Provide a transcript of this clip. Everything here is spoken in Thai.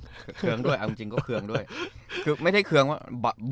ครับเครื่องด้วยจริงเครื่องด้วยคือไม่ได้เผื่อ๒คนเนี่ย